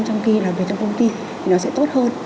trong khi làm việc trong công ty thì nó sẽ tốt hơn